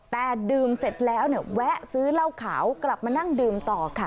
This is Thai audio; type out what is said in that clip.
แต่ดื่มเสร็จแล้วเนี่ยแวะซื้อเหล้าขาวกลับมานั่งดื่มต่อค่ะ